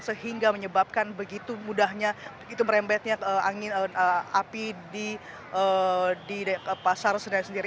sehingga menyebabkan begitu mudahnya begitu merembetnya api di pasar senen sendiri